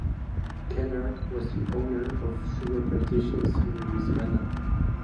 Kenner was the owner of sugar plantations in Louisiana.